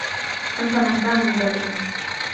أنت من كان مدرّسا.